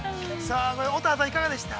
乙葉さん、いかがでした？